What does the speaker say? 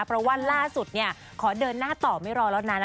เพราะว่าล่าสุดขอเดินหน้าต่อไม่รอแล้วนะ